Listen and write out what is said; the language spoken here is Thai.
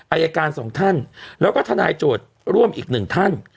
อายการสองท่านแล้วก็ทนายโจทย์ร่วมอีกหนึ่งท่าน